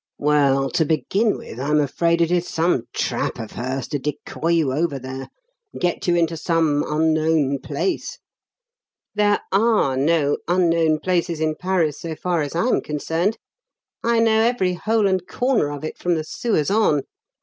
"Well, to begin with, I'm afraid it is some trap of hers to decoy you over there get you into some unknown place " "There are no 'unknown places' in Paris so far as I am concerned. I know every hole and corner of it, from the sewers on.